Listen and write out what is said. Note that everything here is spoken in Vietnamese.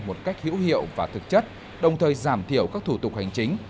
một cách hữu hiệu và thực chất đồng thời giảm thiểu các thủ tục hành chính